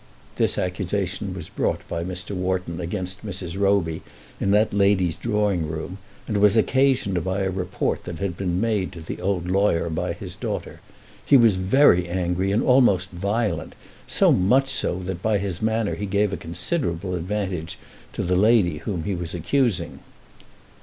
This accusation was brought by Mr. Wharton against Mrs. Roby in that lady's drawing room, and was occasioned by a report that had been made to the old lawyer by his daughter. He was very angry and almost violent; so much so that by his manner he gave a considerable advantage to the lady whom he was accusing.